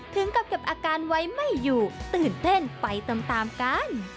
ถึงกับเก็บอาการไว้ไม่อยู่ตื่นเต้นไปตามกัน